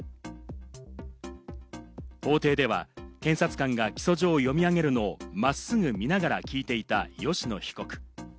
法廷では検察官が起訴状を読み上げるのを真っすぐ見ながら聞いていた吉野被告。